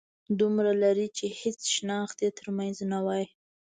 دومره لرې چې هيڅ شناخت يې تر منځ نه وای